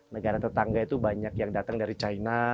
negara tetangga itu banyak yang datang dari china